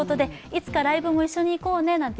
いつかライブも一緒に行こうねなんて